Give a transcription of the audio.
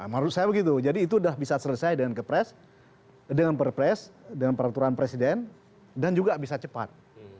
menurut saya begitu jadi itu sudah bisa selesai dengan kepres dengan perpres dengan peraturan presiden dan juga bisa cepat